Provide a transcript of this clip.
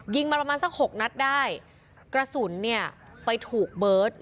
มาประมาณสักหกนัดได้กระสุนเนี่ยไปถูกเบิร์ต